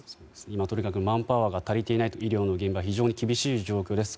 今はとにかくマンパワーが足りていなくて医療の現場が非常厳しい状況です。